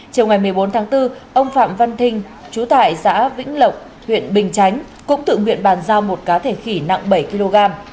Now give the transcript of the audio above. chiều ngày một mươi bốn tháng bốn ông phạm văn thinh trú tại xã vĩnh lộc huyện bình chánh cũng tự nguyện bàn giao một cá thể khỉ nặng bảy kg